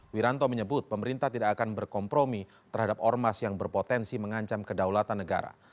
wiranto menyebut pemerintah tidak akan berkompromi terhadap ormas yang berpotensi mengancam kedaulatan negara